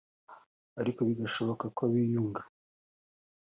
ariko bigashoboka ko biyunga